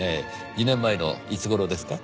２年前のいつ頃ですか？